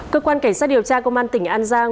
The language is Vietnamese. cơ quan cảnh sát điều tra công an tp hcm